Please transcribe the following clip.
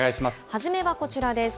初めはこちらです。